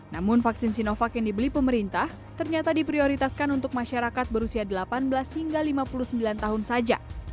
namun vaksin sinovac yang dibeli pemerintah ternyata diprioritaskan untuk masyarakat berusia delapan belas hingga lima puluh sembilan tahun saja